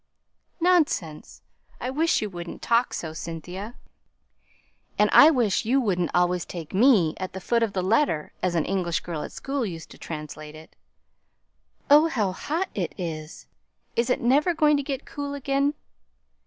"Nonsense! I wish you wouldn't talk so, Cynthia!" "And I wish you wouldn't always take me 'at the foot of the letter,' as an English girl at school used to translate it. Oh, how hot it is! Is it never going to get cool again?